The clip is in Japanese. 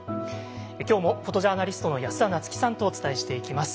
今日もフォトジャーナリストの安田菜津紀さんとお伝えしていきます。